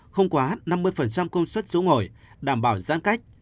không quá năm mươi công suất số ngồi đảm bảo giãn cách